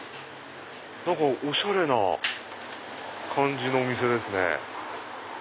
おしゃれな感じのお店ですね。